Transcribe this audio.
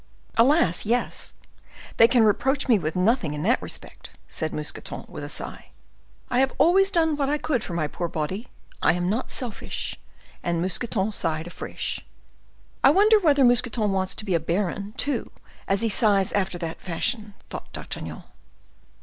"Alas, yes! They can reproach me with nothing in that respect," said Mousqueton, with a sigh; "I have always done what I could for my poor body; I am not selfish." And Mousqueton sighed afresh. "I wonder whether Mousqueton wants to be a baron, too, as he sighs after that fashion?" thought D'Artagnan.